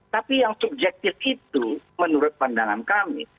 tapi yang subjektif itu menurut pandangan kami